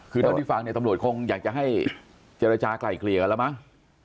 คือน้องก็ตอบที่ฟังตำรวจคงอยากจะให้เจรจากลายเคลียร์แล้วมั้ง